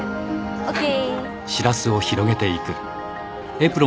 ＯＫ。